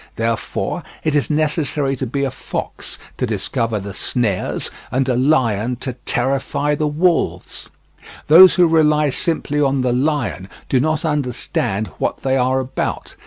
Therefore, it is necessary to be a fox to discover the snares and a lion to terrify the wolves. Those who rely simply on the lion do not understand what they are about.